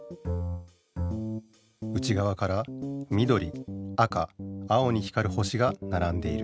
内がわからみどり赤青に光る星がならんでいる。